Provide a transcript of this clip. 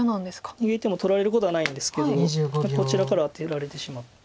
逃げても取られることはないんですけどこちらからアテられてしまって。